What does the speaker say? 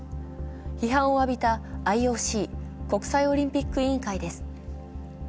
批判を浴びたＩＯＣ＝国際オリンピック委員会です。